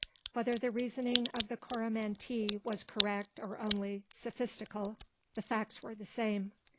Whether the reasoning of the Coromantee was correct or only sophistical, the facts were the same.